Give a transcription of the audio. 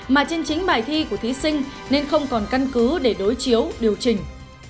mà trên chính bài thi của thí sinh nên không còn căn cứ để đối chiếu điều chỉnh